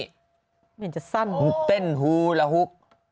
เห็นจะสั้นเต้นฮูละฮุก